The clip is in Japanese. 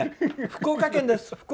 福岡県です。